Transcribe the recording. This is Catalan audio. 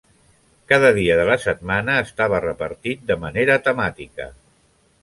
Cada dia de la setmana estava repartit de manera temàtica.